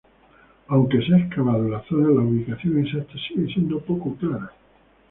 Aunque se ha excavado la zona, la ubicación exacta sigue siendo poco clara.